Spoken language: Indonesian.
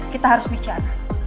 kita harus bicara